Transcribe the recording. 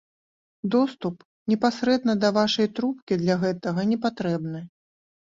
Доступ непасрэдна да вашай трубкі для гэтага не патрэбны.